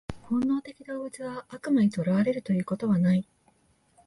本能的動物は悪魔に囚われるということはない。